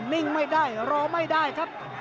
นิ่งไม่ได้รอไม่ได้ครับ